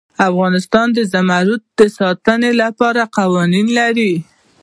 افغانستان د زمرد د ساتنې لپاره قوانین لري.